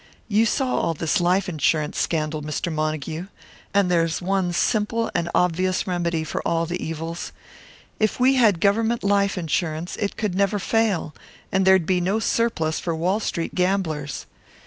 You saw all this life insurance scandal, Mr. Montague; and there's one simple and obvious remedy for all the evils if we had Government life insurance, it could never fail, and there'd be no surplus for Wall Street gamblers.